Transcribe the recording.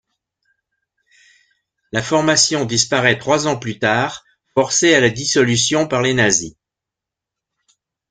La formation disparaît trois ans plus tard, forcée à la dissolution par les nazis.